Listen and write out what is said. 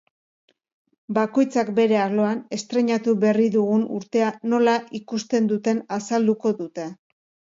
Bakoitzak bere arloan, estreinatu berri dugun urtea nola ikusten duten azalduko dute.